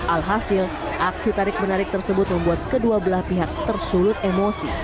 alhasil aksi tarik menarik tersebut membuat kedua belah pihak tersulut emosi